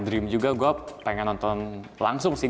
dream juga gue pengen nonton langsung sih